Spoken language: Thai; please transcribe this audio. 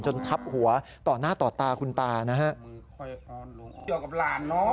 จนทัพหัวต่อหน้าต่อตาคุณตานะฮะ